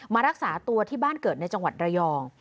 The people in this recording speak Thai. มารักษาตัวที่บ้านเกิดในจังหวัดระยอง